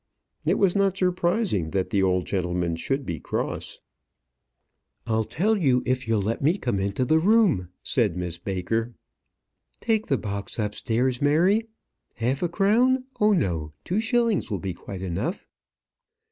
It was not surprising that the old gentleman should be cross. "I'll tell you if you'll let me come into the room," said Miss Baker. "Take the box upstairs, Mary. Half a crown! oh no, two shillings will be quite enough."